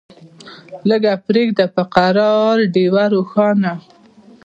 لیږه پریږده په قرار ډېوه روښانه